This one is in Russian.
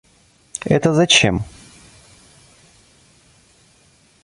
Это зачем?